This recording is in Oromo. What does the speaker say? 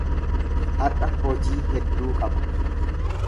Har’a hojii hedduu qaba.